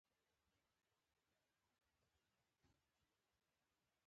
هلمند د تاريخونو او وياړونو ټاټوبی دی۔